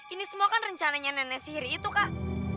ini semua kan rencananya nenek sihir itu kak